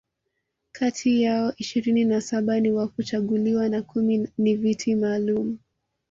kati yao ishirini na saba ni wa kuchaguliwa na kumi ni Viti maalum